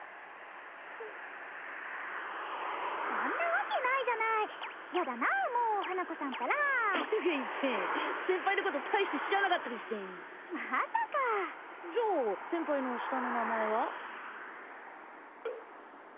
そそんなわけないじゃないやだなもう花子さんったら！とか言って先輩のこと大して知らなかったりしてまさかじゃあ先輩の下の名前は？